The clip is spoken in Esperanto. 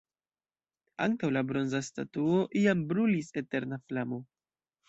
Antaŭ la bronza statuo iam brulis eterna flamo.